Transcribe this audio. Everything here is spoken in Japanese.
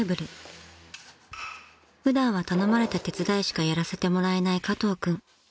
［普段は頼まれた手伝いしかやらせてもらえない加藤君］